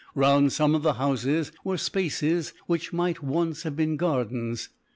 Round some of the houses were spaces which might once have been gardens.